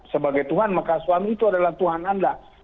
sebagai tuhan maka suami itu adalah tuhan anda